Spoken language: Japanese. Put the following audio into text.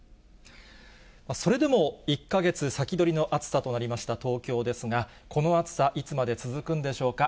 それでも１か月先取りの暑さとなりました東京ですが、この暑さ、いつまで続くんでしょうか。